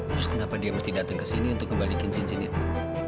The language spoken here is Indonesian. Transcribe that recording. terus kenapa dia mesti datang ke sini untuk kembalikan cincin itu